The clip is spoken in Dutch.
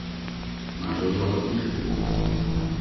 Maar zo zal het niet gebeuren.